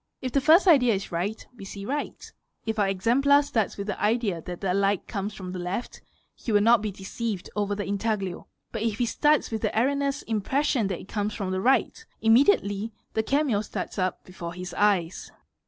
If the first idea is right, we see right if our exemplar starts with the idea that the light comes from the left he will not be deceived over the intaglio, but if he starts with the erre neous impression that it comes from the right, immediately the came starts up before his eyes.